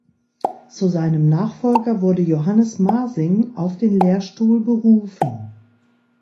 Zu seinem Nachfolger wurde Johannes Masing auf den Lehrstuhl berufen.